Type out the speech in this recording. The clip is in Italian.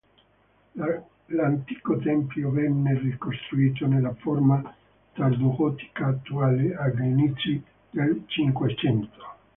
L'antico tempio venne ricostruito nella forma tardogotica attuale agli inizi del Cinquecento.